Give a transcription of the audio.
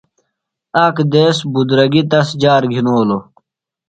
آک دیس بُدرَگیۡ تس جار گِھنولوۡ۔